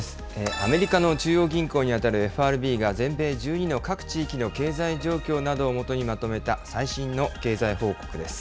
アメリカの中央銀行に当たるＦＲＢが全米１２の各地域の経済状況などをもとにまとめた最新の経済報告です。